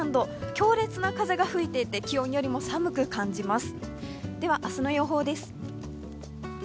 強烈な風が吹いていて気温よりも寒く感じます。